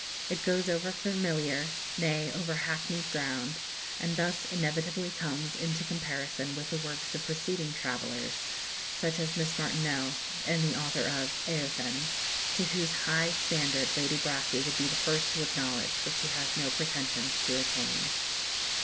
It goes over familiar nay, over hackneyed ground, and thus inevitably comes into comparison with the works of preceding travellers, such as Miss Martineau and the author of "Eöthen," to whose high standard Lady Brassey would be the first to acknowledge that she has no pretensions to attain.